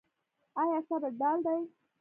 آیا صبر ډال دی؟